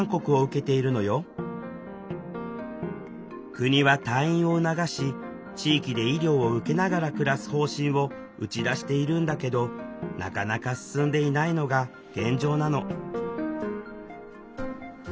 国は退院を促し地域で医療を受けながら暮らす方針を打ち出しているんだけどなかなか進んでいないのが現状なの。